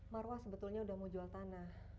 marwah sebetulnya udah mau jual tanah